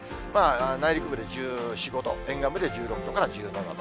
内陸部で１４、５度、沿岸部で１６度から１７度。